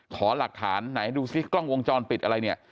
ขอหลักฐานไหนดูซิกล้องวงจรปิดอะไรเนี่ย